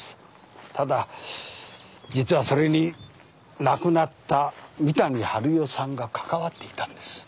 ただ実はそれに亡くなった三谷治代さんが関わっていたんです。